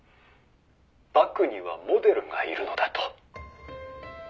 「バクにはモデルがいるのだと」